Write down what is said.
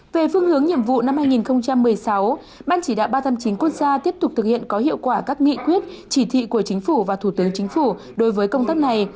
về phương hướng nhiệm vụ năm hai nghìn một mươi sáu ban chỉ đạo ba trăm tám mươi chín quốc gia tiếp tục thực hiện có hiệu quả các nghị quyết chỉ thị của chính phủ và thủ tướng chính phủ đối với công tác này